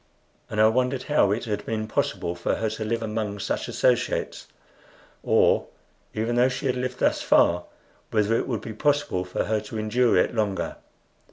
And I wondered how it had been possible for her to live among such associates; or, even though she had lived thus far, whether it would be possible for her to endure it longer.